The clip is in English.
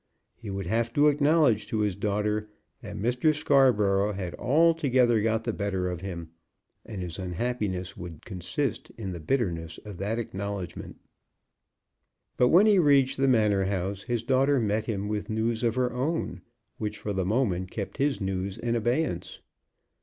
He would have to acknowledge to his daughter that Mr. Scarborough had altogether got the better of him, and his unhappiness would consist in the bitterness of that acknowledgment. But when he reached the Manor House his daughter met him with news of her own which for the moment kept his news in abeyance.